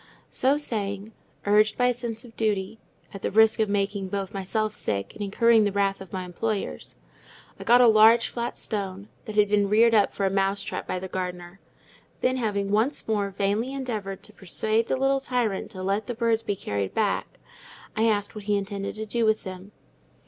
So saying—urged by a sense of duty—at the risk of both making myself sick and incurring the wrath of my employers—I got a large flat stone, that had been reared up for a mouse trap by the gardener; then, having once more vainly endeavoured to persuade the little tyrant to let the birds be carried back, I asked what he intended to do with them.